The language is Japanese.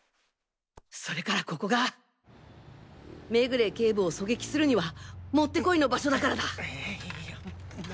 それからここが目暮警部を狙撃するにはもってこいの場所だからだ！